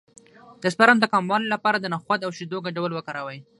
د سپرم د کموالي لپاره د نخود او شیدو ګډول وکاروئ